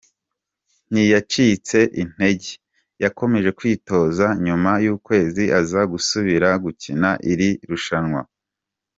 Ntiyacitse intege yakomeje kwitoza, nyuma y’ukwezi aza gusubira gukina iri rushanwa.